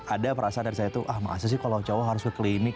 ada perasaan dari saya tuh ah makasih sih kalau cowok harus ke klinik